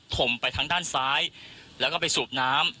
มไปทางด้านซ้ายแล้วก็ไปสูบน้ำ